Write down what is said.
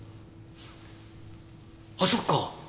あっそっか！